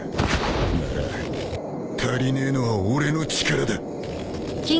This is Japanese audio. なら足りねえのは俺の力だ。